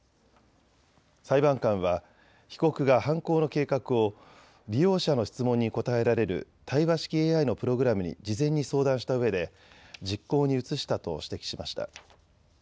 裁判官は被告が犯行の計画を利用者の質問に答えられる対話式ＡＩのプログラムに事前に相談したうえで実行に移したと指摘しました。